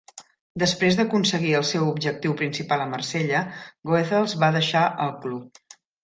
Després d'aconseguir el seu objectiu principal a Marsella, Goethals va deixar el club.